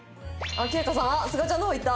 圭叶さんあっすがちゃんの方行った。